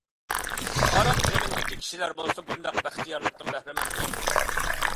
خاراب زېمىندىكى كىشىلەر بولسا بۇنداق بەختىيارلىقتىن بەھرىمەن بولالمايدۇ.